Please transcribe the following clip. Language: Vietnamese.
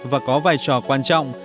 và có vai trò quan trọng